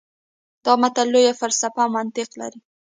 دا متل لویه فلسفه او منطق لري